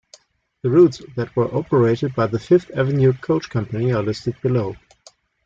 The routes that were operated by the Fifth Avenue Coach Company are listed below.